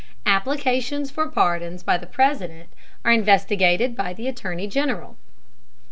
Applications for pardons by the President are investigated by the Attorney General.